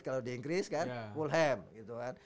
kalau di inggris kan fulham gitu kan